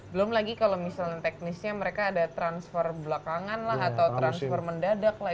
belum lagi kalau misalnya teknisnya mereka ada transfer belakangan lah atau transfer mendadak lah